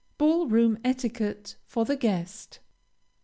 BALL ROOM ETIQUETTE. FOR THE GUEST.